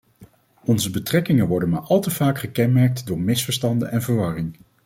Onze betrekkingen worden maar al te vaak gekenmerkt door misverstanden en verwarring.